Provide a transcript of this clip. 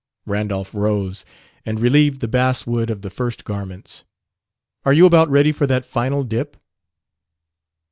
Randolph rose and relieved the basswood of the first garments. "Are you about ready for that final dip?"